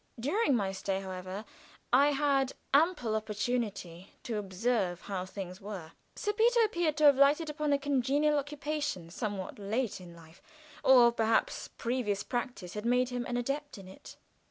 During my stay, however, I had ample opportunity to observe how things were. Sir Peter appeared to have lighted upon a congenial occupation somewhat late in life, or perhaps previous practice had made him an adept in it.